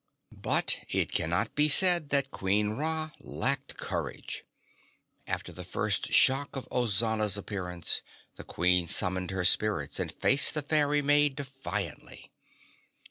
But it cannot be said that Queen Ra lacked courage. After the first shock of Ozana's appearance, the Queen summoned her spirits and faced the fairy maid defiantly.